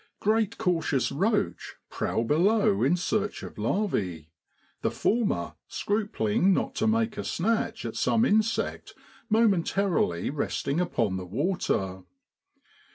Great cautious roach prowl below in search of larvae, the former scrupling not to make a snatch at some insect momentarily resting upon the water.